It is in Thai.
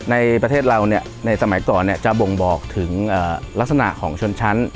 ในประเทศเราในสมัยก่อนจะบ่งบอกถึงลักษณะของชนชั้น